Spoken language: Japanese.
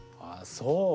ああそう。